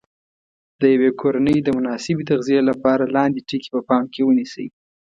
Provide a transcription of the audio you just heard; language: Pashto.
د یوې کورنۍ د مناسبې تغذیې لپاره لاندې ټکي په پام کې ونیسئ.